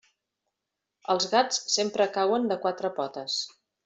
Els gats sempre cauen de quatre potes.